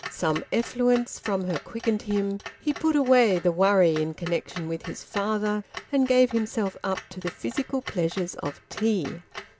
Some effluence from her quickened him. He put away the worry in connection with his father, and gave himself up to the physical pleasures of tea.